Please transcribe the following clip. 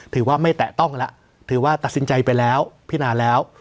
ถือว่าไม่แตะต้องแล้วถือว่าตัดสินใจไปแล้วพินาแล้ว